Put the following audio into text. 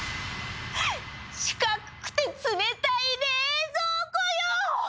四角くて冷たい冷蔵庫よ！